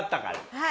はい。